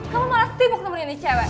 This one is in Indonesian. kamu malah sibuk nemenin cewek